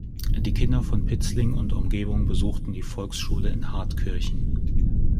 Die Kinder von Pitzling und Umgebung besuchten die Volksschule in Hartkirchen.